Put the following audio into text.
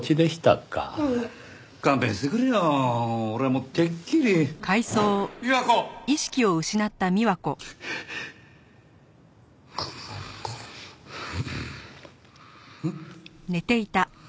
うん？